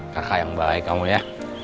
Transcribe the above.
kakak yang baik kamu ya